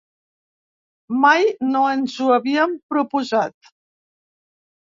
Mai no ens ho havíem proposat.